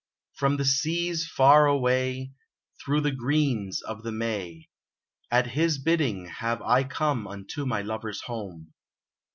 From the seas far away, Through the greens of the May, At his bidding have I come Unto my lover's home.